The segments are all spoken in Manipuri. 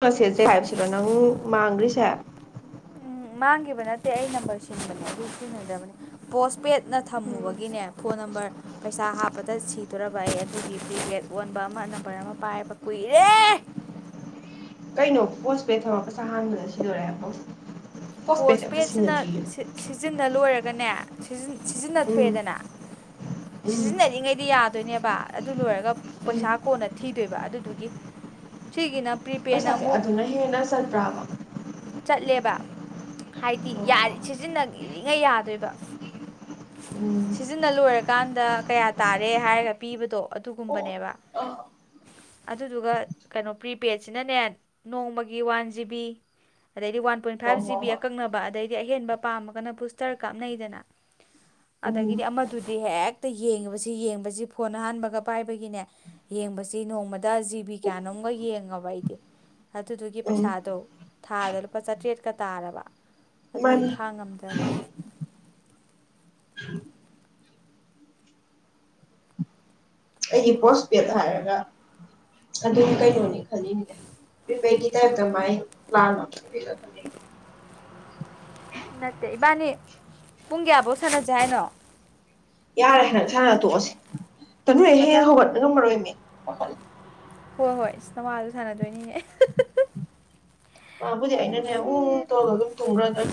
ꯅꯪ ꯁꯦꯠꯁꯦ ꯍꯥꯏꯕꯁꯤꯔꯣ ꯅꯪ ꯃꯥꯡꯈ꯭ꯔꯤꯁꯦ ꯎꯝ ꯃꯥꯡꯈꯤꯕ ꯅꯠꯇꯦ ꯑꯩ ꯅꯝꯕꯔ ꯁꯤꯟꯕꯅꯦ ꯑꯗꯨ ꯁꯤꯖꯤꯟꯅꯗꯕꯅꯦ ꯄꯣꯁ ꯄꯦꯠꯅ ꯎꯝ ꯊꯝꯃꯨꯕꯒꯤꯅꯦ ꯐꯣꯟ ꯅꯝꯕꯔ ꯄꯩꯁꯥ ꯍꯥꯞꯄꯗ ꯁꯤꯗꯣꯔꯔꯕ ꯑꯩ ꯑꯗꯨꯒꯤ ꯐꯦꯒꯦꯠ ꯑꯣꯟꯕ ꯑꯃ ꯅꯝꯕꯔ ꯑꯃ ꯄꯥꯏꯔꯕ ꯀꯨꯏꯔꯦ ꯀꯩꯅꯣ ꯄꯣꯁꯄꯦ ꯊꯧꯔꯄꯁꯥ ꯍꯥꯟꯕꯗ ꯁꯤꯗꯣꯔꯦꯕꯣ ꯄꯣꯁ ꯄꯦꯗꯁꯤꯅ ꯁꯤꯖꯤꯟꯅ ꯂꯣꯏꯔꯒꯅꯦ ꯎꯝ ꯁꯤꯖꯤꯟꯅꯊꯣꯛꯑꯦꯗꯅ ꯎꯝ ꯁꯤꯖꯤꯟꯅꯔꯤꯉꯩꯗꯤ ꯌꯥꯗꯦ ꯑꯗꯨꯣꯏꯅꯦꯕ ꯑꯗꯨ ꯂꯣꯏꯔꯒ ꯎꯝ ꯄꯩꯁꯥ ꯀꯣꯟꯅ ꯊꯤꯗꯣꯏꯕ ꯑꯗꯨꯗꯨꯒꯤ ꯁꯤꯒꯤꯅ ꯄ꯭ꯔꯤꯄꯦꯅ ꯄꯩꯁꯥꯁꯦ ꯑꯃꯨꯛ ꯑꯗꯨꯅ ꯍꯦꯟꯅ ꯆꯠꯄ꯭ꯔꯕ ꯆꯠꯂꯦꯕ ꯍꯥꯏꯗꯤ ꯁꯤꯖꯤꯟꯅꯔꯤꯉꯩ ꯌꯥꯗꯣꯏꯕ ꯎꯝ ꯁꯤꯖꯤꯟꯅ ꯂꯣꯏꯔꯀꯥꯟꯗ ꯀꯌꯥ ꯇꯥꯔꯦ ꯍꯥꯏꯔꯒ ꯄꯤꯕꯗꯣ ꯑ ꯑꯗꯨꯒꯨꯝꯕꯅꯦꯕ ꯍꯣꯏ ꯑꯗꯨꯗꯨꯒ ꯀꯩꯅꯣ ꯄ꯭ꯔꯤꯄꯦꯗꯁꯤꯅꯅꯦ ꯅꯣꯡꯃꯒꯤ ꯋꯥꯟ ꯖꯤꯕꯤ ꯑꯗꯩꯗꯤ ꯋꯥꯟ ꯄꯣꯏꯟ ꯍꯣꯏ ꯐꯥꯏꯚ ꯖꯤ ꯕꯤ ꯍꯣꯏ ꯑꯀꯛꯅꯕ ꯑꯗꯩꯗꯤ ꯑꯍꯦꯟꯕ ꯄꯥꯝꯃꯒꯅ ꯕꯨꯁꯇꯔ ꯀꯥꯞꯅꯩꯗꯅ ꯎꯝ ꯑꯗꯒꯤꯗꯤ ꯑꯃꯗꯨꯗꯤ ꯍꯦꯛꯇ ꯌꯦꯡꯉꯤꯕꯁꯤ ꯌꯦꯡꯕꯁꯤ ꯐꯣꯟ ꯑꯍꯥꯟꯕꯒ ꯄꯥꯏꯕꯒꯤꯅꯦ ꯌꯦꯡꯕꯁꯤ ꯅꯣꯡꯃꯗ ꯖꯤꯕꯤ ꯀꯌꯥꯅꯣꯝꯒ ꯌꯦꯡꯉꯕ ꯑꯩꯗꯤ ꯑꯗꯨꯗꯨꯒꯤ ꯎꯝ ꯄꯩꯁꯥꯗꯣ ꯊꯥꯗ ꯂꯨꯄꯥ ꯆꯥꯇ꯭ꯔꯦꯠꯀ ꯇꯥꯔꯕ ꯑꯗꯨꯒꯤ ꯃꯥꯅꯤ ꯈꯥꯡꯉꯝꯗ꯭ꯔꯕ ꯑꯩꯒꯤ ꯄꯣꯁ ꯄꯦꯗ ꯍꯥꯏꯔꯒ ꯑꯗꯨꯗꯤ ꯀꯩꯅꯣꯅꯤ ꯈꯜꯂꯤꯅꯤꯅꯦ ꯏꯕꯗꯤ ꯇꯥꯏꯞꯇ ꯃꯥꯏ ꯂꯥꯟ ꯊ ꯅꯠꯇꯦ ꯏꯕꯥꯅꯤ ꯄꯨꯡ ꯀꯌꯥꯐꯧ ꯁꯥꯟꯅꯁꯦ ꯍꯥꯏꯅꯣ ꯌꯥꯔꯦ ꯍꯥꯏꯟꯛ ꯁꯥꯟꯅ ꯇꯣꯛꯑꯁꯤ ꯇꯅꯨꯦ ꯍꯦ ꯃꯊꯪ ꯍꯧꯒꯠꯄ ꯉꯝꯃꯔꯣꯏꯅꯦ ꯍꯣꯏ ꯍꯣꯏ ꯏꯁ ꯅꯃꯥꯗ ꯁꯥꯟꯅꯗꯣꯏꯅꯤ ꯑꯦ ꯃꯥꯕꯨꯗꯤ ꯑꯩ ꯑꯩꯅꯅꯦ ꯎ ꯁꯤꯔꯦ ꯇꯧꯔꯒ ꯑꯗꯨꯝ ꯇꯨꯝꯈ꯭ꯔ ꯑꯗꯨ꯭ꯔ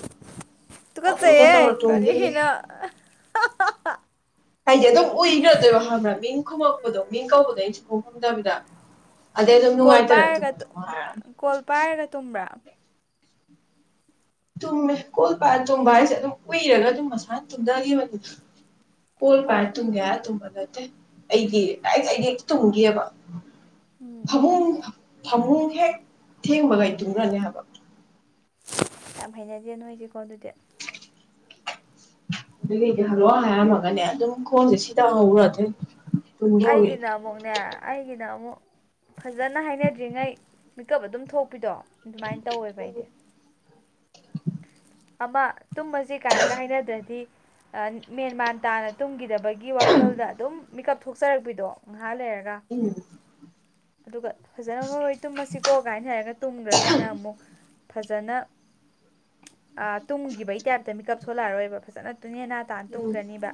ꯑꯗꯨꯗ ꯇꯧꯔ ꯇꯨꯀꯠꯆꯩꯌꯦ ꯇꯣꯡꯈꯤꯕ [inaudible] ꯍꯥꯏꯗꯤ ꯑꯗꯨꯝ ꯎꯏꯈ꯭ꯔꯗꯣꯏꯕ ꯍꯪꯕ꯭ꯔꯥ ꯃꯤꯡ ꯈꯨꯝꯃꯛꯄꯗꯣ ꯃꯤꯡ ꯀꯧꯕꯗꯣ ꯑꯩꯅꯁꯨꯨꯝ ꯈꯣꯡ ꯈꯨꯝꯗꯕꯗ ꯀꯣꯜ ꯄꯥꯏꯔꯒ ꯍꯥꯏꯔꯛꯑꯅꯤ ꯀꯣꯜ ꯄꯥꯏꯔꯒ ꯇꯨꯝꯕ꯭ꯔꯥ ꯇꯨꯝꯃꯦ ꯀꯣꯜ ꯄꯥꯟ ꯇꯨꯝꯕ ꯍꯥꯏꯁꯦ ꯑꯗꯨꯝ ꯀꯏꯔꯒ ꯑꯗꯨꯝ ꯃꯁꯥꯅ ꯇꯨꯝꯊꯈꯤꯕꯅꯤ ꯀꯣꯜ ꯍꯣꯏ ꯄꯥꯏꯔ ꯇꯨꯝꯒꯦ ꯍꯥꯏ ꯇꯨꯝꯕ ꯅꯠꯇꯦ ꯑꯩꯗꯤ ꯑꯩ ꯑꯩꯗꯤ ꯍꯛꯇ ꯇꯨꯝꯒꯦꯕ ꯎꯝ ꯐꯃꯨꯡ ꯐꯃꯨꯡ ꯍꯦꯛ ꯊꯦꯡꯕꯒ ꯇꯨꯡꯅꯅꯤ ꯍꯥꯏꯕ ꯌꯥꯝ ꯍꯩꯅꯗꯦ ꯅꯣꯏꯁꯀꯣ ꯑꯗꯨꯗꯤ ꯑꯗꯨꯗꯤ ꯍꯜꯂꯛꯑꯣ ꯍꯥꯏꯔꯝꯃꯒꯅꯦ ꯑꯗꯨꯝ ꯈꯣꯡꯁꯦ ꯁꯤ ꯇ ꯍꯧꯔꯗꯤꯦ ꯑꯩꯒꯤꯅ ꯑꯃꯨꯛꯅꯦ ꯑꯩꯒꯤꯅ ꯑꯃꯨꯛ ꯐꯖꯅ ꯍꯥꯏꯅꯗ꯭ꯔꯤꯉꯩ ꯃꯤꯀꯞ ꯑꯗꯨꯝ ꯊꯣꯛꯄꯤꯗꯣ ꯑꯗꯨꯃꯥꯏꯅ ꯇꯧꯋꯦꯕ ꯎꯝ ꯑꯩꯗꯤ ꯑꯃ ꯇꯨꯝꯕꯁꯤ ꯀꯥꯏꯅꯒ ꯍꯥꯏꯅꯗ꯭ꯔꯗꯤ ꯃꯦꯟꯃꯥꯟ ꯇꯥꯅ ꯇꯨꯝꯈꯤꯗꯕꯒꯤ ꯋꯥꯈꯜꯗ ꯑꯗꯨꯝ ꯃꯤꯀꯞ ꯊꯣꯛꯆꯔꯛꯄꯤꯗꯣ ꯉꯥꯏꯍꯥꯛ ꯂꯩꯔꯒ ꯎꯝ ꯑꯗꯨꯒ ꯐꯖꯅ ꯃꯈꯣꯏ ꯇꯨꯝꯃꯁꯤꯀꯣ ꯀꯥꯏꯅ ꯍꯥꯏꯔꯒ ꯇꯨꯝꯗ꯭ꯔꯒꯅ ꯑꯃꯨꯛ ꯐꯖꯅ ꯇꯨꯝꯈꯤꯕꯒꯤ ꯇꯥꯏꯞꯇ ꯃꯤꯀꯞ ꯁꯣꯜꯂꯛꯑꯔꯣꯏꯕ ꯐꯖꯅ ꯇꯨꯅꯦ ꯅꯥ ꯇꯥꯅ ꯇꯨꯡꯗ꯭ꯔꯅꯤꯕ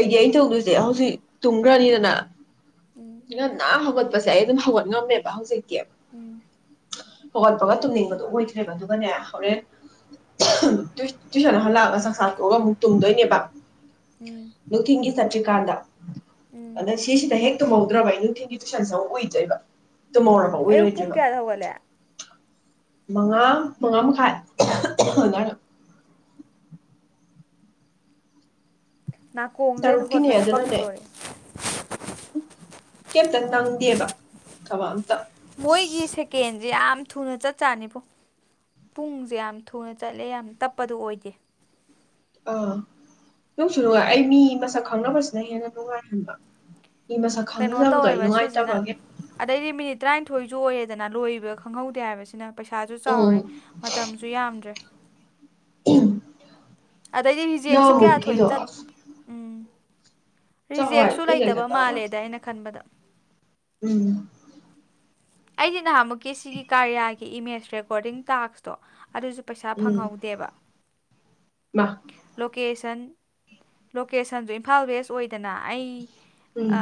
ꯑꯩꯗꯤ ꯑꯩꯅ ꯇꯧꯗꯣꯏꯁꯦ ꯍꯧꯖꯤꯛ ꯇꯨꯝꯈ꯭ꯔꯅꯤꯗꯅ ꯎꯝ ꯉꯅꯥ ꯍꯧꯒ ꯁꯦ ꯑꯩ ꯑꯗꯨꯝ ꯍꯧꯒꯠ ꯉꯝꯃꯦꯕ ꯍꯧꯖꯤꯛꯀꯤ ꯎꯝ ꯍꯧꯒꯣꯟꯄꯒ ꯇꯨꯝꯅꯤꯡꯕꯗꯣ ꯑꯣꯏꯈ꯭ꯔꯦꯕ ꯑꯗꯨꯒꯅꯦ ꯍꯣꯔꯦꯟ ꯇꯨ ꯁꯅ ꯍꯜꯂ ꯑꯕ ꯁ ꯁꯥꯗ ꯈꯒ ꯃꯨꯛꯇ ꯍꯗꯣꯏꯅꯦꯕꯥ ꯎꯝ ꯂ ꯊꯒꯤꯤ ꯆꯠꯇꯔꯤꯀꯥꯟꯗ ꯎꯝ ꯁꯤꯁꯤꯗ ꯍꯦꯛ ꯇꯨꯝꯍꯧꯗ꯭ꯔꯕ ꯑꯩ ꯅꯨꯡꯊꯤꯒꯤ ꯇꯨꯏꯁꯟꯁ ꯑꯃꯛ ꯎꯏꯗꯣꯏꯕ ꯇꯨꯝꯍꯧꯔꯕ ꯑꯩꯨ ꯄꯨꯡ ꯎꯏꯔꯣꯏꯗ꯭ꯔꯤꯕ ꯀꯌꯥꯗꯧꯒꯦ ꯃꯉꯥ ꯃꯉꯥ ꯃꯈꯥꯏ ꯑꯗꯨꯅꯔ ꯅꯥꯀꯣꯡꯁꯦ ꯑꯩꯅ ꯇꯔꯨꯛꯀꯤꯅꯦ ꯍꯣꯠꯄꯗ ꯑꯗꯨꯅꯅꯦ ꯄꯛꯀꯗꯣꯔꯔꯦ ꯀꯩꯝꯇ ꯅꯪꯗꯦꯕ ꯀꯕ ꯑꯃꯇ ꯃꯣꯏꯒꯤ ꯁꯦꯀꯦꯟꯁꯦ ꯌꯥꯝ ꯊꯨꯅ ꯆꯠ ꯆꯥꯅꯤꯕꯣ ꯄꯨꯡꯁꯦ ꯌꯥꯝ ꯊꯨꯅ ꯆꯠꯂꯦ ꯌꯥꯝ ꯇꯞꯄꯗꯨꯣ ꯑꯣꯏꯗꯦ ꯑꯥ ꯅꯨꯡꯁꯨ ꯅꯨꯡꯉꯥꯏ ꯑꯩ ꯃꯤ ꯃꯁꯛ ꯈꯪꯅꯕꯁꯤꯅ ꯍꯦꯟꯅ ꯅꯨꯡꯉꯥꯏꯍꯟꯕ ꯃꯤ ꯃꯁꯛ ꯀꯩꯅꯣ ꯈꯪꯅꯗꯕꯗꯣ ꯑꯩ ꯇꯧꯋꯦꯕ ꯁꯤꯖꯤꯅ ꯅꯨꯡꯉꯥꯏꯇꯕꯒ ꯑꯗꯩꯗꯤ ꯃꯤꯅꯤꯠ ꯇꯔꯥꯅꯤꯊꯣꯏꯁꯨ ꯑꯣꯏꯔꯦꯗꯅ ꯂꯣꯏꯕ ꯈꯪꯍꯧꯗꯦ ꯍꯥꯏꯕꯁꯤꯅ ꯄꯩꯁꯥꯁꯨ ꯎꯝ ꯆꯥꯎꯔꯦ ꯃꯇꯝꯁꯨ ꯌꯥꯝꯗ꯭ꯔꯦ ꯑ ꯑꯗꯩꯗꯤ ꯖꯦꯛꯁꯨ ꯀꯌꯥ ꯊꯣꯏꯅ ꯆꯠ ꯑꯁ ꯎꯝ ꯆꯥꯎꯍꯣꯏ ꯔꯤꯖꯦꯛꯁꯨ ꯔꯤꯖꯦꯛ ꯂꯩꯇꯕ ꯃꯥꯜꯂꯦꯗ ꯑꯩꯅ ꯈꯟꯕꯗ ꯎꯝ ꯑꯩꯗꯤ ꯅꯍꯥꯟꯃꯨꯛꯀꯤ ꯁꯤꯒꯤ ꯀꯥꯔꯤꯌꯥꯒꯤ ꯏꯃꯦꯖ ꯔꯦꯀꯣꯔꯗꯤꯡ ꯇꯥꯛꯁꯇꯣ ꯑꯗꯨꯁꯨ ꯄꯩꯁꯥ ꯎꯝ ꯐꯪꯍꯧꯗꯦꯕ ꯃꯥ ꯂꯣꯀꯦꯁꯟ ꯂꯣꯀꯦꯁꯟꯁꯨ ꯏꯝꯐꯥꯜ ꯋꯦꯁ ꯑꯣꯏꯗꯅ ꯑꯩ ꯎꯝ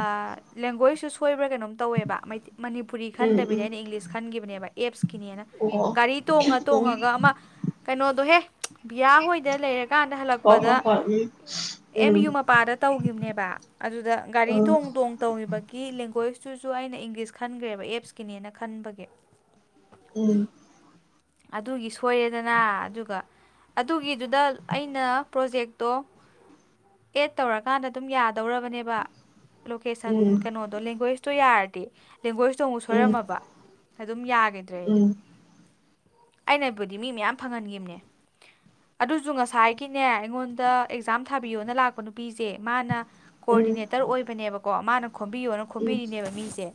ꯂꯦꯡꯒ꯭ꯋꯦꯖꯁꯨ ꯁꯣꯏꯕ꯭ꯔꯥ ꯀꯩꯅꯣꯝ ꯇꯧꯋꯦꯕꯩ ꯃꯅꯤꯄꯨꯔꯤ ꯎꯝ ꯎꯝ ꯈꯟꯗꯕꯤꯗ ꯎꯝ ꯑꯩꯅ ꯏꯪꯂꯤꯁ ꯈꯟꯈꯤꯕꯅꯦꯕ ꯑꯦꯞꯁꯀꯤꯅꯦꯅ ꯒꯥꯔꯤ ꯇꯣꯡꯉ ꯇꯣꯡꯉꯒ ꯑꯃ ꯀꯩꯅꯣꯗꯣꯍꯦ ꯕꯤꯌꯥ ꯍꯣꯏꯗ ꯂꯩꯔꯀꯥꯟꯗ ꯍꯣ ꯍꯜꯂꯛꯄꯗ ꯍꯣ ꯍꯣꯏ ꯑꯦꯝ ꯎꯝ ꯌꯨ ꯃꯄꯥꯗ ꯇꯧꯈꯤꯕꯅꯦꯕ ꯑꯗꯨꯗ ꯒꯥꯔꯤ ꯎꯝ ꯎꯝ ꯊꯣꯡ ꯇꯣꯡ ꯇꯧꯈꯤꯕ ꯒꯤ ꯂꯦꯡꯒ꯭ꯋꯦꯁꯇꯨꯁꯨ ꯑꯩꯅ ꯏꯪꯂꯤꯁ ꯈꯟꯈ꯭ꯔꯦꯕ ꯑꯦꯞꯁꯀꯤꯅꯦꯅ ꯈꯟꯕꯒꯤ ꯎꯝ ꯑꯗꯨꯒꯤ ꯁꯣꯏꯔꯦꯗꯅ ꯑꯗꯨꯒ ꯑꯗꯨꯒꯤꯗꯨꯗ ꯑꯩꯅ ꯄ꯭ꯔꯣꯖꯦꯛꯇꯣ ꯑꯦꯠ ꯇꯧꯔꯀꯥꯟꯗ ꯑꯗꯨꯝ ꯌꯥꯗꯧꯔꯕꯅꯦꯕ ꯎꯝ ꯂꯣꯀꯦꯁꯟ ꯎꯝ ꯀꯩꯅꯣꯗꯣ ꯂꯦꯡꯒ꯭ꯋꯦꯁꯇꯣ ꯌꯥꯔꯗꯤ ꯂꯦꯡꯒ꯭ꯋꯦꯁꯇꯣ ꯑꯃꯨꯛ ꯊꯣꯏꯔꯝꯃꯕ ꯑꯗꯨꯝ ꯌꯥꯈꯤꯗ꯭ꯔꯦ ꯑꯩꯩꯅꯣ ꯎꯝ ꯑꯩꯅꯕꯨꯗꯤ ꯃꯤ ꯃꯌꯥꯝ ꯐꯪꯍꯟꯈꯤꯕꯅꯦ ꯑꯗꯨꯁꯨ ꯉꯁꯥꯏ ꯁꯤꯅꯦ ꯑꯩꯉꯣꯟꯗ ꯑꯦꯛꯖꯥꯝ ꯊꯥꯕꯤꯌꯣꯅ ꯂꯥꯛꯄ ꯅꯨꯄꯤꯁꯦ ꯃꯥꯅ ꯀꯣꯑꯣꯗꯤꯅꯦꯠ ꯑꯣꯏꯕꯅꯦꯕꯀꯣ ꯃꯥꯅ ꯈꯣꯝꯕꯤꯌꯣꯅ ꯎꯝ ꯈꯣꯝꯕꯤꯔꯤꯅꯦꯕ ꯃꯤꯁꯦ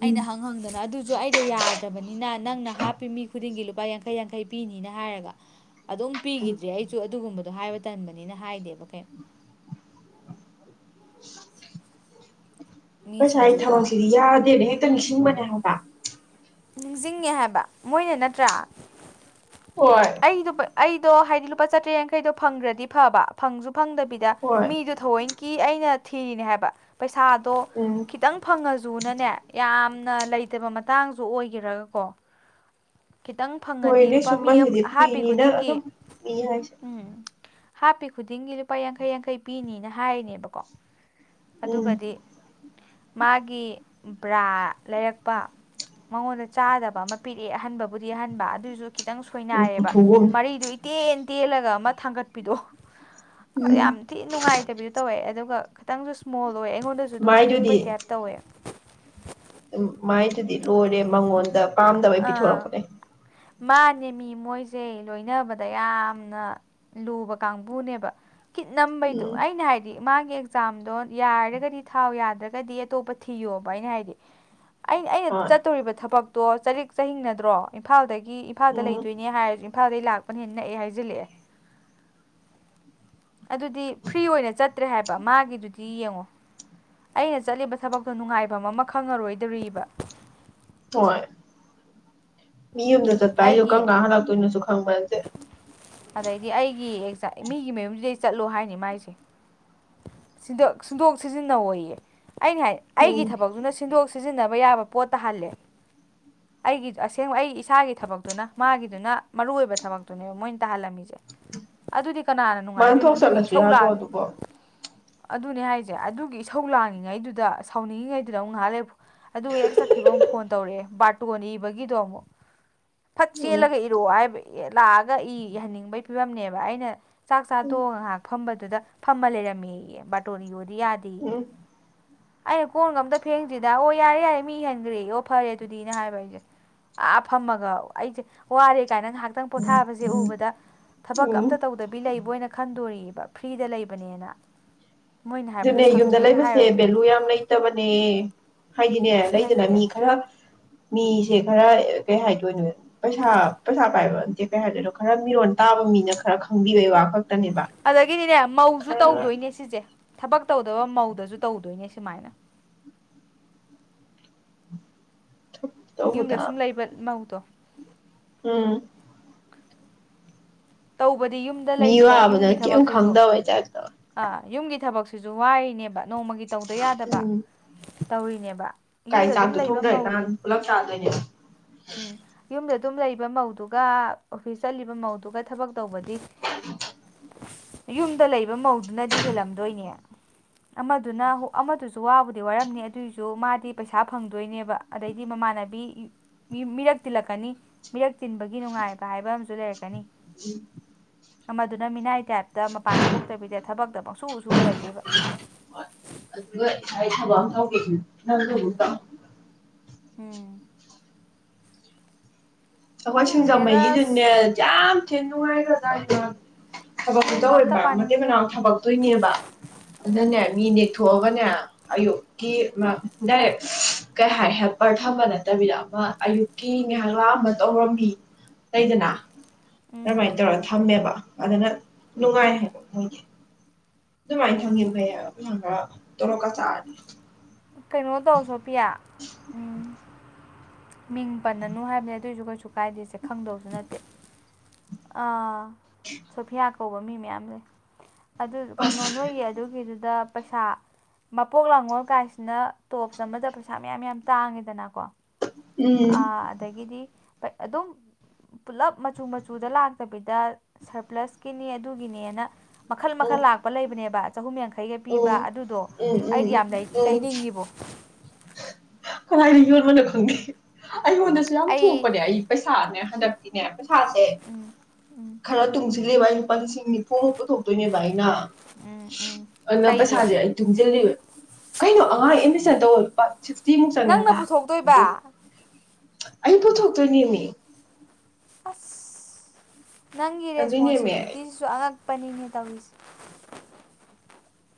ꯑꯩꯅ ꯎꯝ ꯍꯪ ꯍꯪꯗꯅ ꯑꯗꯨ ꯁꯨ ꯑꯩꯗꯣ ꯌꯥꯗ꯭ꯔꯕꯅꯤꯅ ꯅꯪꯅ ꯍꯥꯞꯄꯤ ꯃꯤ ꯈꯨꯗꯤꯡꯒꯤ ꯂꯨꯄꯥ ꯌꯥꯡꯈꯩ ꯌꯥꯡꯈꯩ ꯄꯤꯅꯤꯅ ꯍꯥꯏꯔꯒ ꯑꯗꯨꯝ ꯎꯝ ꯄꯤꯈꯤꯗ꯭ꯔꯦ ꯑꯩꯁꯨ ꯑꯗꯨꯒꯨꯝꯕꯗꯣ ꯍꯥꯏꯕ ꯇꯟꯕꯅꯤꯅ ꯍꯥꯏꯗꯦꯕ ꯀꯩ ꯄꯩꯁꯥ ꯑꯩ ꯃꯤꯁꯤꯡꯁꯦꯀꯣ ꯊꯕꯛꯁꯤꯗꯤ ꯌꯥꯗꯦꯅ ꯍꯦꯛꯇ ꯅꯤꯡꯁꯤꯡꯕꯅꯦ ꯍꯥꯏꯕ ꯅꯤꯡꯁꯤꯡꯉꯦ ꯍꯥꯏꯕ ꯃꯣꯏꯅ ꯅꯠꯇ꯭ꯔꯥ ꯍꯣꯏ ꯑꯩꯗꯣ ꯍꯥꯏꯗꯤ ꯂꯨꯄꯥ ꯆꯥꯇ ꯌꯥꯡ ꯐꯪꯈ꯭ꯔꯗꯤ ꯐꯕ ꯐꯪꯁꯨ ꯐꯪꯗꯕꯤꯗ ꯍꯣꯏ ꯃꯤꯗꯨ ꯊꯑꯣꯏꯅꯀꯤ ꯑꯩꯅ ꯊꯤꯔꯤꯅꯦ ꯍꯥꯏꯕ ꯄꯩꯁꯥꯗꯣ ꯎꯝ ꯈꯤꯇꯪ ꯐꯪꯉꯁꯨꯅꯅꯦ ꯌꯥꯝꯅ ꯂꯩꯇꯕ ꯃꯇꯥꯡꯁꯨ ꯑꯣꯏꯒꯔꯒꯀꯣ ꯈꯤꯇꯪ ꯐꯪꯉꯗꯤ ꯍꯣꯏꯅꯦ ꯂꯨꯄꯥ ꯃꯤ ꯑꯃ ꯁꯨꯝꯕꯁꯤꯗꯤ ꯍꯥꯞꯄꯤ ꯐ꯭ꯔꯤꯅꯤꯅ ꯈꯨꯗꯤꯡꯒꯤ ꯑꯗꯨꯝ ꯃꯤ ꯍꯥꯏꯁꯦ ꯎꯝ ꯍꯥꯞꯄꯤ ꯈꯨꯗꯤꯡꯒꯤ ꯂꯨꯄꯥ ꯌꯥꯡꯈꯩ ꯌꯥꯡꯈꯩ ꯄꯤꯅꯤꯅ ꯍꯥꯏꯔꯤꯅꯦꯕꯀꯣ ꯎꯝ ꯑꯗꯨꯒꯗꯤ ꯃꯥꯒꯤ ꯕ꯭ꯔꯥ ꯂꯩꯔꯛꯄ ꯃꯉꯣꯟꯗ ꯆꯥꯗꯕ ꯑꯃ ꯄꯤꯔꯛꯑꯦ ꯑꯍꯟꯕꯕꯨꯗꯤ ꯑꯍꯟꯕ ꯑꯗꯨꯁꯨ ꯈꯤꯇꯪ ꯎꯝ ꯁꯣꯏꯅꯥꯏꯌꯦꯕ ꯎꯊꯨꯒꯨꯝ ꯃꯔꯤꯗꯨ ꯇꯦꯟ ꯇꯦꯜꯂꯒ ꯑꯃ ꯊꯥꯡꯒꯠꯄꯤꯗꯣ ꯎꯝ ꯌꯥꯝ ꯊꯤ ꯅꯨꯡꯉꯥꯏꯇꯕꯤꯁꯨ ꯇꯧꯋꯦ ꯑꯗꯨꯒ ꯈꯤꯇꯪꯁꯨ ꯁ꯭ꯃꯣꯜ ꯑꯣꯏ ꯑꯩꯉꯣꯟꯗꯁꯨ ꯑꯗꯨꯝ ꯃꯥꯏꯗꯨꯗꯤ ꯄꯤꯛꯄꯩ ꯇꯥꯏꯞ ꯇꯧꯋꯦ ꯎꯝ ꯃꯥꯏꯗꯨꯗꯤ ꯂꯣꯏꯔꯦ ꯃꯉꯣꯟꯗ ꯄꯥꯝꯗꯕꯩ ꯑꯥ ꯄꯤꯊꯣꯔꯛꯄꯅꯦ ꯃꯥꯅꯦ ꯃꯤ ꯃꯣꯏꯁꯦ ꯂꯣꯏꯅꯕꯗ ꯌꯥꯝꯅ ꯂꯨꯕ ꯀꯥꯡꯕꯨꯅꯦꯕ ꯀꯤꯠ ꯅꯝꯕꯩꯗꯣ ꯎꯝ ꯑꯩꯅ ꯍꯥꯏ ꯍꯥꯏꯗꯤ ꯃꯥꯒꯤ ꯑꯦꯛꯖꯥꯝꯗꯣ ꯌꯥꯔꯒꯗꯤ ꯊꯥꯎ ꯌꯥꯗ꯭ꯔꯒꯗꯤ ꯑꯇꯣꯞꯄ ꯊꯤꯌꯣꯕ ꯑꯩꯅ ꯍꯥꯏꯗꯤ ꯑꯩꯅ ꯑꯩꯅ ꯍꯣꯏ ꯆꯠꯇꯣꯔꯤꯕ ꯊꯕꯛꯇꯣ ꯆꯔꯦꯛ ꯆꯤꯡ ꯅꯠꯇ꯭ꯔꯣ ꯏꯝꯐꯥꯜꯗꯒꯤ ꯏꯝꯐꯥꯜꯗ ꯎꯝ ꯂꯩꯗꯣꯏꯅꯦ ꯍꯥꯏꯔꯁꯤ ꯏꯝꯐꯥꯜꯗꯩꯒꯤ ꯂꯥꯛꯄꯅꯦꯅ ꯅꯛꯑ ꯍꯥꯏꯖꯜꯂꯛꯑꯦ ꯑꯗꯨꯗꯤ ꯐ꯭ꯔꯤ ꯑꯣꯏꯅ ꯆꯠꯇ꯭ꯔꯦ ꯍꯥꯏꯕ ꯃꯥꯒꯤꯗꯨꯗꯤ ꯌꯦꯡꯉꯣ ꯑꯩꯅ ꯆꯠꯂꯤꯕ ꯊꯕꯛꯇꯣ ꯅꯨꯡꯉꯥꯏꯐꯝ ꯑꯃ ꯈꯪꯉꯔꯣꯏꯗꯣꯔꯤꯕ ꯍꯣꯏ ꯃꯤ ꯑꯃꯗ ꯆꯠꯄ ꯍꯥꯏꯁꯨ ꯑꯩꯒꯤ ꯀꯪ ꯀꯥ ꯍꯥꯟꯂꯥꯛꯛꯇꯣꯏꯅꯁꯨ ꯈꯪꯕꯁꯦ ꯑꯗꯩꯗꯤ ꯑꯩꯒꯤ ꯑꯦꯛꯖꯥ ꯃꯤꯒꯤ ꯃꯌꯨꯝꯁꯤꯗꯩ ꯆꯠꯂꯣ ꯍꯥꯏꯅꯤ ꯃꯥꯏꯁꯦ ꯁꯤꯟꯗꯣꯛ ꯁꯤꯖꯤꯟ ꯇꯧꯋꯣꯌꯦ ꯑꯩꯅ ꯍꯥꯏ ꯑꯩꯒꯤ ꯎꯝ ꯊꯕꯛꯇꯨꯅ ꯁꯤꯟꯗꯣꯛ ꯁꯤꯖꯤꯟꯅꯕ ꯌꯥꯕ ꯄꯣꯠꯇ ꯇꯥꯍꯜꯂꯦ ꯑꯩꯒꯤ ꯑꯁꯦꯡꯕ ꯑꯩ ꯏꯁꯥꯒꯤ ꯊꯕꯛꯇꯨꯅ ꯃꯥꯒꯤꯗꯨꯅ ꯃꯔꯨꯑꯣ ꯑꯣꯏꯕ ꯊꯕꯛꯇꯨꯅꯦꯕ ꯃꯣꯏꯅ ꯇꯥꯍꯜꯂꯝꯃꯤꯁꯦ ꯑꯗꯨꯗꯤ ꯀꯅꯥꯅ ꯃꯥꯅ ꯅꯨꯡꯉꯥꯏꯗꯣꯏꯅꯣ ꯊꯣꯛ ꯑꯗꯨꯒꯤ ꯆꯠꯂꯁꯨ ꯏꯁꯧ ꯌꯥꯗ꯭ꯔꯣ ꯂꯥꯛ ꯑꯗꯨꯕꯣ ꯑꯗꯨꯅꯦ ꯍꯥꯏꯁꯦ ꯑꯗꯨꯒꯤ ꯏꯁꯧ ꯂꯥꯡꯉꯉꯩꯗꯨꯗ ꯁꯥꯎꯅꯤꯡꯉꯤꯉꯩꯗꯨꯗ ꯑꯃꯨꯛ ꯉꯍꯥꯟ ꯂꯩꯕ ꯑꯗꯨ ꯍꯦꯛ ꯆꯠꯈꯤꯕ ꯑꯃꯨꯛ ꯐꯣꯟ ꯇꯧꯔꯛꯑꯦ ꯕꯥꯔꯇꯣꯟ ꯏꯕꯒꯤꯗꯣ ꯑꯃꯨꯛ ꯐꯠ ꯎꯝ ꯆꯦꯜꯂꯒ ꯏꯔꯣ ꯍꯥꯏꯕ ꯂꯥꯛꯑꯒ ꯏꯍꯟꯅꯤꯡꯕꯒꯤ ꯐꯤꯕꯝꯅꯦꯕ ꯑꯩꯅ ꯆꯥꯛ ꯆꯥ ꯎꯝ ꯇꯣꯡꯉꯒ ꯉꯥꯏꯍꯥꯛ ꯐꯝꯕꯗꯨꯗ ꯐꯝꯃ ꯂꯩꯔꯝꯃꯦꯌꯦ ꯕꯥꯔꯇꯣꯟ ꯏ ꯌꯣꯗꯤ ꯌꯥꯗꯦꯌꯦ ꯎꯝ ꯑꯩꯅ ꯀꯣꯟꯒ ꯑꯝꯇ ꯐꯦꯡꯗ꯭ꯔꯤꯗ ꯑꯣ ꯌꯥꯔꯦ ꯌꯥꯔꯦ ꯃꯤ ꯍꯦꯟꯈ꯭ꯔꯦ ꯑꯣ ꯐꯔꯦ ꯑꯗꯨꯗꯤ ꯍꯥꯏꯕ ꯑꯩꯁꯦ ꯑꯥ ꯐꯝꯃꯒ ꯑꯩꯁꯦ ꯋꯥꯔꯦ ꯀꯥꯏꯅ ꯉꯥꯏꯍꯥꯛ ꯈꯤꯇꯪ ꯄꯣꯊꯥꯕꯁꯦ ꯎꯕꯗ ꯊꯕꯛ ꯑꯝꯇ ꯇꯧꯗꯕꯤ ꯂꯩꯕꯅ ꯈꯟꯗꯣꯔꯤꯑꯕ ꯐ꯭ꯔꯤꯗ ꯂꯩꯕꯅꯦꯅ ꯃꯣꯏꯅ ꯍꯥꯏꯕꯗꯨ ꯑꯗꯨꯅꯦ ꯌꯨꯝꯗ ꯁꯪꯗꯦꯒ ꯂꯩꯕꯁꯦ ꯍꯥꯏꯔꯨꯔꯗꯤ ꯚꯦꯂꯨ ꯌꯥꯝ ꯂꯩꯇꯕꯅꯦ ꯍꯥꯏꯗꯤꯅꯦ ꯂꯩꯗꯅ ꯂꯩꯇꯦ ꯃꯤ ꯈꯔ ꯃꯤꯁꯦ ꯈꯔ ꯀꯩ ꯍꯥꯏꯗꯣꯏꯅꯣ ꯄꯩꯁꯥ ꯄꯩꯁꯥ ꯄꯥꯏꯕ ꯑꯝꯇꯦ ꯀꯩ ꯍꯥꯏꯗꯣꯏꯅꯣ ꯈꯔ ꯃꯤꯔꯣꯟ ꯇꯥꯕ ꯃꯤꯅ ꯈꯔ ꯈꯪꯕꯤꯕꯩ ꯋꯥ ꯈꯛꯇꯅꯦꯕ ꯑꯗꯒꯤꯗꯤꯅꯦ ꯃꯧꯁꯨ ꯈꯔ ꯇꯧꯗꯣꯏꯅꯦ ꯁꯤꯁꯦ ꯊꯕꯛ ꯇꯧꯗꯕ ꯃꯧꯗꯁꯨ ꯇꯧꯗꯣꯏꯅꯦ ꯁꯨꯃꯥꯏꯅ ꯌꯨꯝꯗ ꯇꯧꯕꯗ ꯁꯨꯝ ꯂꯩꯕ ꯃꯧꯗꯣ ꯎꯝ ꯇꯧꯕꯗꯤ ꯌꯨꯝ ꯃꯤ ꯋꯥꯕꯅ ꯀꯩꯝ ꯈꯪꯗꯕꯩ ꯆꯥꯛꯗꯕ ꯑꯥ ꯌꯨꯝꯒꯤ ꯊꯕꯛꯁꯤꯁꯨ ꯋꯥꯔꯤꯔꯤꯅꯦꯕ ꯅꯣꯡꯃꯒꯤ ꯇꯧꯗ ꯌꯥꯗꯕ ꯎꯝ ꯇꯧꯔꯤꯅꯦꯕ ꯀꯥꯏ ꯌꯨꯝꯗ ꯑꯗꯨꯝ ꯆꯥꯛꯇꯣ ꯂꯩꯕ ꯊꯣꯡꯗ꯭ꯔꯦ ꯃꯧ ꯀꯅꯥꯥꯟ ꯄꯨꯂꯞ ꯆꯥꯗꯣꯏꯅꯦꯕ ꯎꯝ ꯌꯨꯝꯗ ꯑꯗꯨꯝ ꯂꯩꯕ ꯃꯧꯗꯨꯒ ꯑꯣꯐꯤꯁ ꯆꯠꯂꯤꯕ ꯃꯧꯗꯨꯒ ꯊꯕꯛ ꯇꯧꯕꯗꯤ ꯌꯨꯝꯗ ꯂꯩꯕ ꯃꯧꯗꯨꯅꯗꯤ ꯍꯦꯜꯂꯝꯗꯣꯏꯅꯦ ꯑꯃꯗꯨꯅ ꯍ ꯑꯃꯗꯨꯁꯨ ꯋꯥꯕꯨꯗꯤ ꯋꯥꯔꯝꯅꯤ ꯑꯗꯨꯏꯁꯨ ꯃꯥꯗꯤ ꯄꯩꯁꯥ ꯐꯪꯗꯣꯏꯅꯦꯕ ꯑꯗꯩꯗꯤ ꯃꯃꯥꯟꯅꯕꯤ ꯃꯤ ꯃꯤꯔꯛ ꯇꯤꯜꯂꯛꯀꯅꯤ ꯃꯤꯔꯛ ꯇꯤꯟꯕꯒꯤ ꯅꯨꯡꯉꯥꯏꯕ ꯍꯥꯏꯕ ꯑꯃꯁꯨ ꯂꯩꯔꯛꯀꯅꯤ ꯎ ꯑꯃꯗꯨꯅ ꯃꯤꯅꯥꯏ ꯇꯥꯏꯞꯇ ꯃꯄꯥꯟ ꯊꯣꯛꯇꯕꯤꯗ ꯊꯕꯛꯇꯃꯛꯪꯁꯨ ꯎ ꯁ ꯂꯩꯗꯣꯏꯕ ꯍ ꯑꯗꯨꯒ ꯏꯁꯥꯏ ꯊꯕꯛ ꯑꯃ ꯇꯦ ꯅꯪ ꯇ ꯎꯝ ꯑꯩꯈꯣꯏ ꯈꯪꯗꯦꯗ ꯁꯤꯡꯖꯃꯩꯒꯤꯗꯨꯅꯦ ꯑꯁ ꯌꯥꯝ ꯊꯤꯅ ꯅꯨꯡꯉꯥꯏꯈ꯭ꯔꯖꯥ ꯏꯗ ꯊꯕꯛꯇꯨ ꯌꯨꯝꯒ ꯑꯝꯇ ꯇꯧꯕ ꯃꯇꯦꯛ ꯄꯥꯅꯤꯡꯗꯦ ꯃꯅꯥꯎ ꯊꯕꯛꯇꯣꯏꯅꯦꯕ ꯑꯗꯨꯅꯅꯦ ꯎꯝ ꯃꯤꯅꯦ ꯊꯕꯅꯦ ꯑꯌꯣꯀꯤ ꯏꯦ ꯀꯩ ꯍꯥꯏ ꯍꯦꯜꯄꯔ ꯊꯝꯕ ꯅꯠꯇꯕꯤꯗ ꯑꯃ ꯑꯌꯨꯛꯀꯤ ꯉꯍꯂꯥꯛ ꯑꯃ ꯇꯧꯔꯝꯃꯤ ꯂꯩꯩꯗꯅ ꯎꯝ ꯑꯗꯨꯃꯥꯏꯅ ꯇꯧꯔꯒ ꯊꯝꯃꯦꯕ ꯑꯗꯨꯅ ꯅꯨꯡꯉꯥꯏ ꯍꯥꯏꯕ ꯃꯣꯏꯒꯤ ꯑꯗꯨꯃꯥꯏꯅ ꯊꯪꯒꯦꯕ ꯍꯩꯪ ꯈꯔ ꯇꯧꯂꯛꯀ ꯆꯥꯔꯅꯤ ꯀꯩꯅꯣ ꯇꯧ ꯁꯣ ꯄꯌꯥ ꯎꯝ ꯃꯤꯡ ꯄꯟꯅꯅꯨ ꯍꯥꯏꯕꯅꯦ ꯑꯗꯨꯑꯣꯏꯁꯨ ꯀꯩꯁꯨ ꯀꯥꯏꯗꯦꯁꯦ ꯈꯪꯗꯧꯁꯨ ꯅꯠꯇꯦ ꯑꯥ ꯁꯣꯐꯤꯌꯥ ꯀꯧꯕ ꯃꯤ ꯃꯌꯥꯝ ꯂꯩ ꯑꯗꯨ ꯀꯩꯅꯣ ꯑꯁ ꯅꯣꯏꯒꯤ ꯑꯗꯨꯒꯤꯗꯨꯗ ꯄꯩꯁꯥ ꯃꯄꯣꯛ ꯂꯥꯡꯒꯣꯜ ꯀꯥꯏꯁꯤꯅ ꯇꯣꯞꯁ ꯑꯃꯗ ꯄꯩꯁꯥ ꯃꯌꯥꯝ ꯌꯥꯝ ꯇꯥꯡꯉꯤꯗꯅꯀꯣ [inaudible] [inaudible] ꯑ ꯑꯗꯒꯤꯗꯤ ꯑꯗꯨꯝ ꯄꯨꯜꯂꯞ ꯃꯆꯨ ꯃꯆꯨꯗ ꯂꯥꯛꯇꯕꯤꯗ ꯁꯔꯄ꯭ꯂꯁꯀꯤꯅꯤ ꯑꯗꯨꯒꯤꯅꯦꯅ ꯃꯈꯜ ꯎꯝ ꯃꯈꯜ ꯂꯥꯛꯄ ꯂꯩꯕꯅꯦꯕ ꯆꯍꯨꯝ ꯌꯥꯡꯈꯩꯒ ꯄꯤꯕ ꯎꯝ ꯑꯗꯨꯗꯣ ꯎꯝ ꯎꯝ ꯑꯩꯗꯤ ꯎꯝ ꯌꯥꯝ ꯎꯝ ꯂꯩꯅꯤꯡꯉꯤꯕꯣ ꯀꯗꯥꯏꯗ ꯌꯣꯟꯕꯅꯣ ꯈꯪꯗꯦ ꯑꯩꯉꯣꯟꯗꯁꯨ ꯌꯥꯝ ꯊꯣꯛꯄꯅꯦ ꯑꯩ ꯄꯩꯁꯥꯅꯦ ꯍꯟꯗꯛꯇꯤꯅꯦ ꯄꯩꯁꯥꯁꯦ ꯎꯝ ꯎꯝ ꯈꯔ ꯇꯨꯡꯁꯤꯜꯂꯦꯕ ꯑꯩ ꯂꯨꯄꯥ ꯂꯤꯁꯤꯡ ꯅꯤꯐꯨꯃꯨꯛꯄꯗꯣ ꯇ ꯥꯏ ꯎꯝ ꯎꯝ ꯑꯟꯅ ꯀꯩꯒꯤ ꯄꯩꯁꯥꯖꯦ ꯇꯨꯡꯁꯤꯜꯂꯤꯕ ꯀꯩꯅꯣ ꯑꯉꯥꯡ ꯑꯦꯠꯃꯤꯁꯟ ꯇꯧ ꯂꯨꯄꯥ ꯆꯦꯃꯨꯛ ꯅꯪꯅ ꯆꯪꯉꯦꯕ ꯏꯕꯨꯣꯛ ꯄꯨꯊꯣꯛꯇꯣꯏꯕ ꯑꯩ ꯄꯨꯊꯣꯛꯇꯣꯏꯅꯦꯅꯦ ꯑ ꯅꯪꯒꯤ ꯑꯗꯨꯏꯅꯦꯃꯤ ꯑꯩ ꯔꯦꯁꯄꯣꯟꯁꯕꯜꯇꯤꯁꯤ ꯁ ꯑꯜꯒ ꯄꯟ ꯇꯧꯏ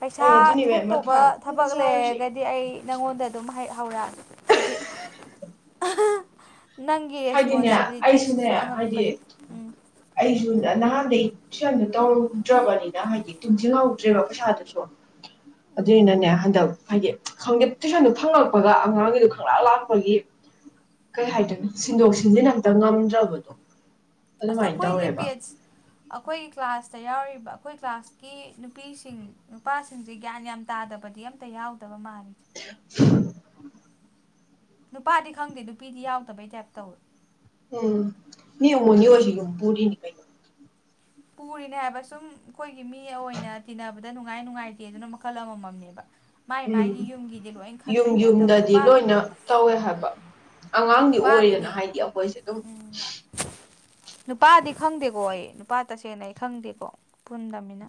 ꯄꯩꯁꯥ ꯑꯗꯨꯏꯅꯦꯃꯤ ꯊꯣꯛꯇꯧꯕ ꯃꯊꯥ ꯊꯕꯛ ꯁꯥꯔꯤꯁꯦ ꯂꯩꯔꯒ ꯗꯤ ꯑꯩ ꯅꯪꯉꯣꯟꯗ ꯑꯗꯨꯝ ꯍꯥꯏ ꯍꯧꯔꯥ ꯁ‌ꯣꯕꯤ ꯅꯪꯒꯤ ꯔꯦꯁꯄꯣꯟ ꯍꯥꯏꯗꯤꯅꯦ ꯑꯩꯁꯨꯅꯦ ꯁꯤꯕꯤꯂꯤꯇꯤꯁꯤꯁꯨ ꯍꯥꯏꯗꯤ ꯑꯉꯛꯄꯅꯦ ꯎꯝ ꯑꯩꯁꯨ ꯅꯍꯥꯟꯗꯩ ꯁꯨꯌꯥꯝꯅ ꯇꯧꯗ꯭ꯔꯕꯅꯤꯗ ꯍꯥꯏꯗꯤ ꯇꯨꯡꯁꯤꯟ ꯍꯧꯗ꯭ꯔꯦꯕ ꯄꯩꯁꯥꯗꯨꯁꯨ ꯑꯗꯨꯏꯅꯅꯦ ꯍꯟꯗꯛ ꯍꯥꯏꯗꯤ ꯈꯪꯗꯦ ꯇꯨꯏꯁꯟꯗꯨ ꯐꯪꯪꯂꯛꯄꯒ ꯑꯉꯥꯡꯒꯤꯗꯨ ꯈꯪꯂ ꯂꯥꯛꯄꯒꯤ ꯀꯩ ꯍꯥꯏꯗꯣꯏꯅꯣ ꯁꯤꯟꯗꯣꯛ ꯁꯤꯟꯖꯤꯟ ꯑꯝꯇꯥ ꯉꯝꯗ꯭ꯔꯕꯗꯣ ꯑꯁ ꯑꯗꯨꯃꯥꯏꯟ ꯑꯩꯈꯣꯏꯒꯤ ꯇꯧꯔꯦꯕꯥ ꯕꯦꯠꯁ ꯑꯩꯈꯣꯏꯒꯤ ꯀ꯭ꯂꯥꯁꯇ ꯌꯥꯎꯔꯤꯕ ꯑꯩꯈꯣꯏ ꯀ꯭ꯂꯥꯁ ꯀ‌ꯦ ꯅꯨꯄꯤꯁꯤꯡ ꯅꯨꯄꯥꯁꯤꯡꯖ‌ꯦ ꯒ꯭ꯌꯥꯟ ꯌꯥꯝ ꯇꯥꯗꯕꯗꯤ ꯑꯝꯇꯥ ꯌꯥꯎꯗꯕꯥ ꯃꯥꯜꯂꯤꯗ [inaudible] ꯅꯨꯄꯥꯗꯤ ꯈꯪꯗꯦ ꯅꯨꯄꯤꯗꯤ ꯌꯥꯎꯗꯕꯩ ꯇꯥꯏꯞ ꯇꯧꯋꯦ ꯑꯥ ꯃꯤ ꯑ‌ꯣꯃ‌ꯣꯅꯤ ꯑꯣꯏꯖꯨ ꯌꯨꯝ ꯄꯨꯔꯤꯅꯤ ꯀꯩ ꯄꯨꯔꯤꯅꯦ ꯍꯥꯏꯕ ꯁꯨꯝ ꯑꯩꯈꯣꯏꯒꯤ ꯃꯤ ꯑꯣꯏꯅ ꯇꯤꯟꯅꯕꯗ ꯅꯨꯡꯉꯥꯏ ꯅꯨꯡꯉꯥꯏꯇꯦ ꯑꯗꯨꯅ ꯃꯈꯜ ꯑꯃꯝ ꯃꯝꯅꯦꯕꯥ ꯃꯥꯏ ꯎꯝ ꯃꯥꯥꯏꯒꯤ ꯌꯨꯝꯒꯤꯗꯤ ꯂꯣꯏ ꯌꯨꯝ ꯈꯟꯕꯩꯇꯥꯏꯕ ꯇꯧꯋ‌ꯦ ꯌꯨꯝꯗꯗꯤ ꯅꯨꯄꯥ ꯂꯣꯏꯅ ꯇꯧꯋꯦ ꯍꯥꯏꯕ ꯑꯉꯥꯡꯗꯤ ꯑꯣꯏꯗꯅ ꯅꯨꯄꯥꯒꯤꯗꯤ ꯍꯥꯏꯗꯤ ꯑꯩꯈꯣꯏꯁꯦ ꯑꯗꯨꯝ ꯎꯝ ꯅꯨꯄꯥꯗꯤ ꯈꯪꯗꯦꯀꯣ ꯑꯩ ꯅꯨꯄꯥ ꯇꯁꯦꯡꯅ ꯑꯩ ꯈꯪꯗꯦꯀꯣ ꯄꯨꯟꯗꯝꯅꯤꯅꯥ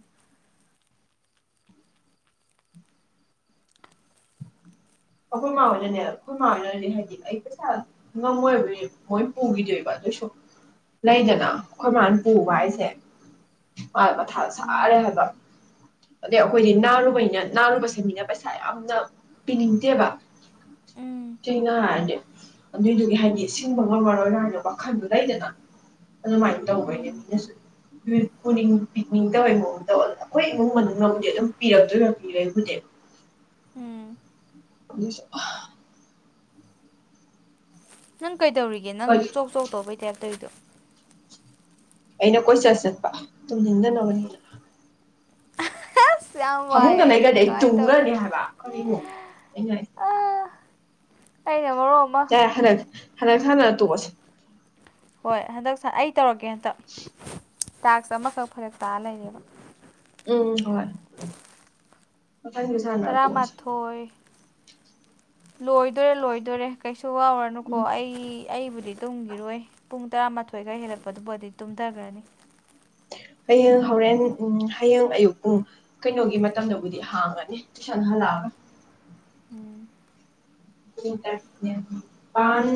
ꯑꯩꯈ‌ꯦꯏ ꯃꯥꯥ ꯍ‌ꯣꯏꯅ ꯅ‌ꯦ ꯑꯈ‌ꯣꯏ ꯃꯥꯥꯅꯅ‌ꯦ ꯍꯥꯏꯗꯤ ꯑꯩ ꯄꯩꯁꯥ ꯉꯝꯃꯣꯏ ꯍꯥꯏꯕꯩ ꯃꯣꯏ ꯄꯨꯒꯤꯗ‌ꯦꯕꯥ ꯑꯗꯨꯏꯁꯨ ꯂꯩꯗꯅꯥ ꯑꯩꯈꯣꯏꯃꯥꯟ ꯄꯨꯕ ꯎꯝ ꯍꯥꯏꯁꯦ ꯃꯥ ꯃꯊꯥꯗ ꯁꯥꯔꯦ ꯎꯝ ꯍꯥꯏꯕ ꯑꯗꯩ ꯑꯩꯈꯣꯏꯗꯤ ꯅꯥꯔꯨꯕꯩꯅ ꯅꯥꯔꯨꯕꯁꯦ ꯃꯤꯅ ꯄꯩꯁꯥ ꯌꯥꯝꯅꯥ ꯄꯤꯅꯤꯡꯗꯦꯕꯥ ꯎꯝ ꯆꯩꯅꯥ ꯍꯥꯏꯔꯗꯤ ꯑꯗꯨꯏꯗꯨꯒꯤ ꯍꯥꯏꯗꯤ ꯁꯤꯡꯕ ꯉꯝꯃꯔꯣꯏꯅ ꯍꯥꯏꯅ ꯋꯥꯈꯟꯗꯣ ꯂꯩꯗꯅꯥ ꯑꯗꯨ ꯃꯥꯥꯏ ꯇꯧꯕꯩ ꯅ‌ꯦ ꯎꯝ ꯃꯤꯅꯁꯨ ꯄꯨꯅꯤꯡ ꯄꯤꯛꯅꯤꯡ ꯗꯕꯩ ꯃꯑꯣꯡ ꯗꯥ ꯇꯧ ꯑꯩꯈꯣꯏ ꯏꯃꯨꯡ ꯃꯅꯨꯡꯅꯕꯨꯗꯤ ꯑꯗꯨꯝ ꯄꯤꯔꯛꯇꯣꯏꯕ ꯄꯤꯔꯩꯕꯨꯗꯤ ꯎꯝ ꯑꯗ‌ꯣꯏꯁꯨ ꯍꯥ ꯅꯪ ꯀꯩꯗꯧꯔꯤꯒꯦ ꯅꯪ ꯍꯣꯏ ꯆꯣꯛ ꯆꯣꯛ ꯇꯧꯕꯩ ꯇꯥꯏꯞ ꯇꯩꯗꯣ ꯑꯩꯅ ꯀꯣꯏꯆꯠ ꯆꯠꯄ ꯇꯨꯝꯅꯤꯡꯗꯅꯕꯅꯤꯅ ꯑꯁ ꯌꯥꯝ ꯋꯥꯏ ꯐꯃꯨꯡꯗ ꯑꯩꯗꯤ ꯂꯩꯒ꯭ꯔꯗꯤ ꯑꯩ ꯀꯃꯥꯏꯟ ꯇꯧꯅꯤ ꯇꯨꯝꯒ꯭ꯔꯅꯤ ꯍꯥꯏꯕ ꯀꯔꯤꯅꯣ ꯑꯩꯅ ꯑꯥ ꯑꯩꯅ ꯃꯔꯣꯟ ꯑꯃꯥ ꯌꯥ ꯍꯟꯗꯛ ꯍꯟꯗꯛ ꯁꯥꯅꯥ ꯇꯣꯛꯑꯁꯦ ꯍꯣꯏ ꯍꯟꯗꯛ ꯁꯥ ꯑꯩ ꯇꯧꯔꯛꯀꯦ ꯍꯟꯇꯛ ꯇꯥꯛꯁ ꯑꯃꯈꯛ ꯐꯔꯦꯛ ꯇꯥ ꯂꯩꯔꯦꯕꯥ ꯎꯝ ꯍꯣꯏ ꯀꯗꯥꯏꯗꯩ ꯁꯥ ꯇꯔꯥꯃꯥꯊꯣꯏ ꯂꯣꯏꯗꯣꯔꯦ ꯂꯣꯏꯗꯣꯔꯦ ꯀꯩꯁꯨ ꯋꯥꯎꯔꯅꯨꯀꯣ ꯎꯝ ꯑꯩ ꯑꯩꯕꯨꯗꯤ ꯇꯨꯝꯒꯤꯔꯣꯏ ꯄꯨꯡ ꯇꯔꯥꯃꯥꯊꯣꯏ ꯈꯥ ꯍꯦꯜꯂꯛꯄꯗꯕ ꯑ‌ꯣꯗꯤ ꯇꯨꯝꯗꯒ꯭ꯔꯅꯤ ꯍꯌꯦꯡ ꯍꯣꯔꯦꯟ ꯎꯝ ꯍꯌꯦꯡ ꯑꯌꯨꯛ ꯄꯨꯡ ꯀꯩꯅꯣꯒꯤ ꯃꯇꯝꯗꯕꯨꯗꯤ ꯍꯥꯡꯒꯅꯤ ꯇꯨꯏꯁꯟ ꯍꯜꯂꯛ ꯑꯒꯥ ꯎꯝ ꯄꯨꯡ ꯇꯔ‌ꯦꯠ ꯅꯤꯄꯥꯟ